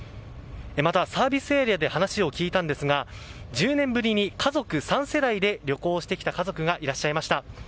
また、サービスエリアで話を聞いたんですが１０年ぶりに家族３世代で旅行してきた家族がいらっしゃいました。